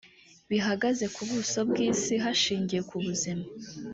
bihagaze ku buso bw isi hashingiye ku buzima